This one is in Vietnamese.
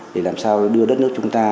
để làm sao đưa đất nước chúng ta